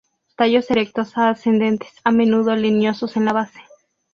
Tallos erectos a ascendentes, a menudo leñosos en la base.